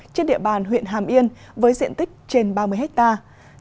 trên địa bàn huyện hàm yên với diện tích trên ba mươi hectare